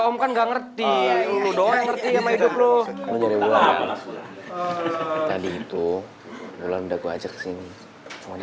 lu kan nggak ngerti lu doang ngerti sama hidup lu tadi itu udah gua ajak sini semuanya